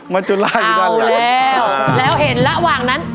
มาจุดล่าอยู่ด้านรถค่ะอ๋อแล้วเห็นระหว่างนั้น